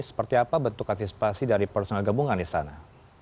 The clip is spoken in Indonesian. seperti apa bentuk antisipasi dari personal gabungan di sana